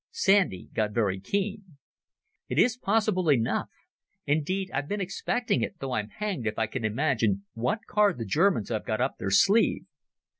Sandy got very keen. "It is possible enough. Indeed, I've been expecting it, though I'm hanged if I can imagine what card the Germans have got up their sleeve.